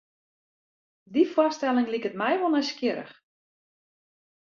Dy foarstelling liket my wol nijsgjirrich.